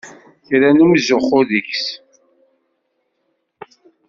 Kra n umzuxxu deg-s!